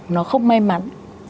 nó không may mắn